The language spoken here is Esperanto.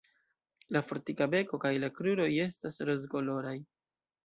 La fortika beko kaj la kruroj estas rozkoloraj.